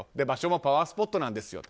場所もパワースポットなんです。